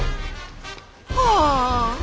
はあ！